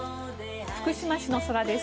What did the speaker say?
福島市の空です。